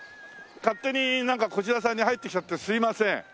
勝手にこちらさんに入ってきちゃってすいません。